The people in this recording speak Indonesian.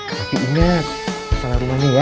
tapi ingat masalah rumahnya ya